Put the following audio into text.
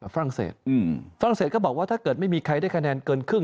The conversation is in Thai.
ฝรั่งเศสฝรั่งเศสก็บอกว่าถ้าเกิดไม่มีใครได้คะแนนเกินครึ่ง